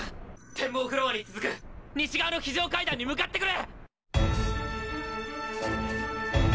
展望フロアに続く西側の非常階段に向かってくれ！！